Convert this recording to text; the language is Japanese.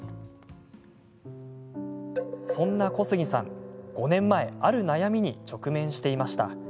そんな小杉さん、５年前ある悩みに直面していました。